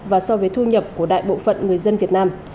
và so với thu nhập của đại bộ phận người dân việt nam